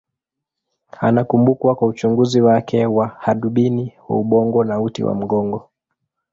Anakumbukwa kwa uchunguzi wake wa hadubini wa ubongo na uti wa mgongo.